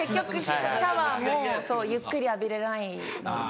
シャワーもゆっくり浴びれないので。